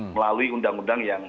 melalui undang undang yang